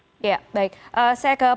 ya baik saya ke pak raden terakhir